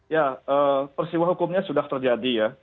ya persiwa hukumnya sudah terjadi ya